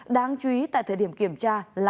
đáng chú ý tại thời điểm kiểm tra